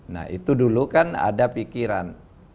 nah itu dulu kan ada pikiran